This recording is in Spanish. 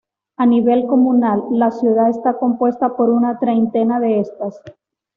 A nivel comunal, la ciudad está compuesta por una treintena de estas.